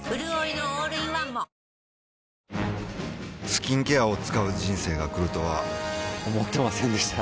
スキンケアを使う人生が来るとは思ってませんでした